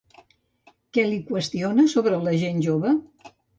Què li qüestiona sobre la gent jove?